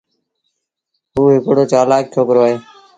اُ هڪڙو چلآڪ ڇوڪرو اهي۔